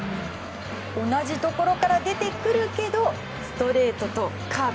同じところから出てくるけどストレートとカーブ